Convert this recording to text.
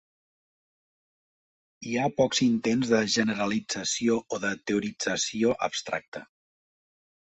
Hi ha pocs intents de generalització o de teorització abstracta.